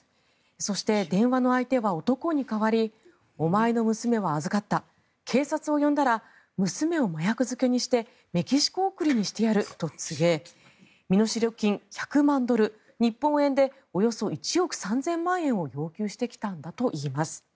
そして、電話の相手は男に代わりお前の娘は預かった警察を呼んだら娘を麻薬漬けにしてメキシコ送りにしてやると告げ身代金１００万ドル日本円でおよそ１億３０００万円を要求してきたといいます。